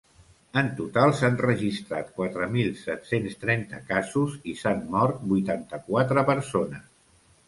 En total s’han registrat quatre mil set-cents trenta casos i s’han mort vuitanta-quatre persones.